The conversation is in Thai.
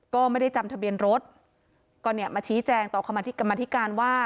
ก็ไม่ได้จำทะเบียนรถก็เนี่ยมาชี้แจงต่อคำที่กรรมธิการว่า